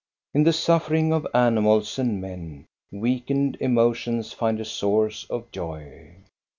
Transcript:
In the suffering of animals and men, weakened emotions find a source of joy.